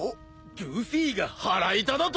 ルフィが腹痛だと！？